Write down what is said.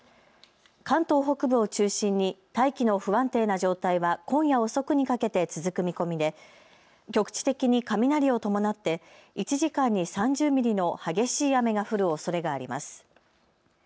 関東北部を中心に大気の不安定な状態は今夜遅くにかけて続く見込みで局地的に雷を伴って１時間に３０ミリの激しい雨が降るおそれがあります。